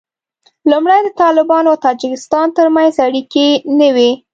لومړی د طالبانو او تاجکستان تر منځ اړیکې نه وې